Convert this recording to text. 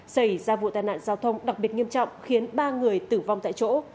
xảy ra vụ tai nạn giao thông đặc biệt nghiêm trọng khiến ba người tử vong tại chỗ